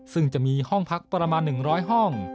ซึ่งจะมีห้องพักประมาณ๑๐๐ห้อง